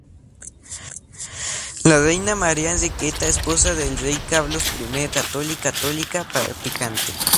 La reina María Enriqueta, esposa del rey Carlos I fue una católica practicante.